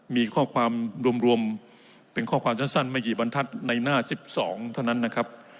มีข้อความรวมเป็นข้อความสั้นไม่กี่บรรทัศน์ในหน้า๑๒เท่านั้นนะครับ